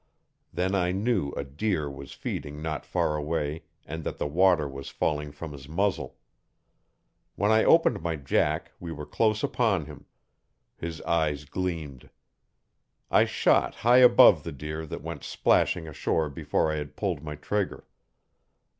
Then I knew a deer was feeding not far away and that the water was falling from his muzzle. When I opened my jack we were close upon him. His eyes gleamed. I shot high above the deer that went splashing ashore before I had pulled my trigger.